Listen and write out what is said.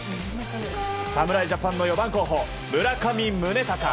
侍ジャパンの４番候補村上宗隆。